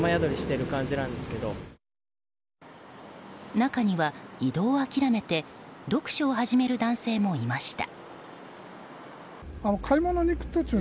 中には移動を諦めて読書を始める男性もいました。